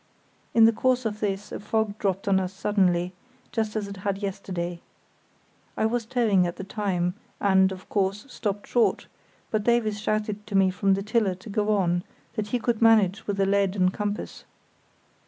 In the course of this a fog dropped on us suddenly, just as it had yesterday. I was towing at the time, and, of course, stopped short; but Davies shouted to me from the tiller to go on, that he could manage with the lead and compass.